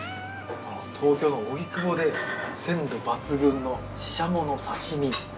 東京の荻窪で鮮度抜群のシシャモの刺身。